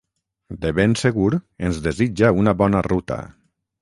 de ben segur ens desitja una bona ruta